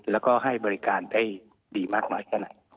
แล้วก็ให้บริการได้ดีมากน้อยแค่ไหน